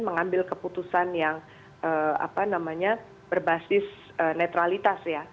mengambil keputusan yang berbasis netralitas ya